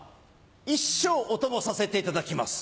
一生お供させていただきます。